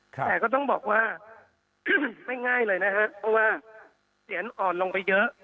แต่ก็ต้องบอกว่าไม่ง่ายเลยนะครับเพราะว่าเสียงอ่อนลงไปเยอะ